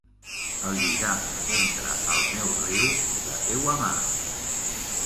El lligam entre el meu riu i la teua mar...